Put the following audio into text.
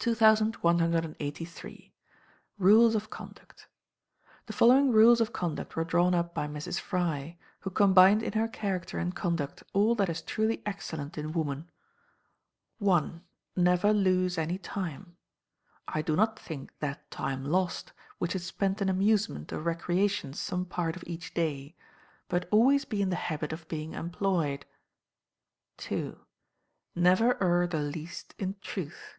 2183. Rules of Conduct. The following rules of conduct were drawn up by Mrs. Fry, who combined in her character and conduct all that is truly excellent in woman: i. Never lose any time, I do not think that time lost which is spent in amusement or recreation some part of each day; but always be in the habit of being employed. ii. Never err the least in truth.